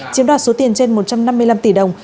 chiếm đoạt số tiền trên một trăm năm mươi năm tỷ đồng